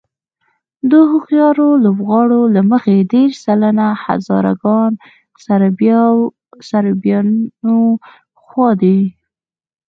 د هوښیارو لوبغاړو له مخې دېرش سلنه هزاره ګان د سرابيانو خوا دي.